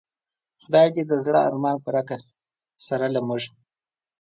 خدای دی د زړه ارمان پوره که سره له مونږه